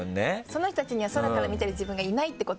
その人たちには空から見てる自分がいないってことですよね？